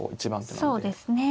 そうですね。